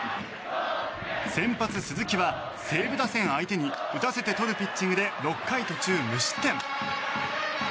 先発、鈴木は西武打線を相手に打たせてとるピッチングで６回途中、無失点。